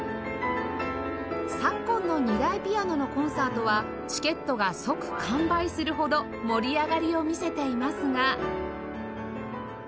昨今の２台ピアノのコンサートはチケットが即完売するほど盛り上がりを見せていますが